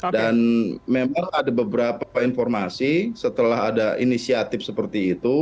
memang ada beberapa informasi setelah ada inisiatif seperti itu